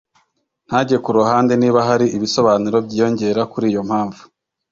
ntage ku ruhande. Niba hari ibisobanuro byiyongera kuri iyo mpamvu